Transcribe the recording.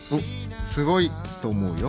すごいと思うよ。